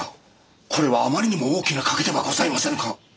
これはあまりにも大きな賭けではございませぬか。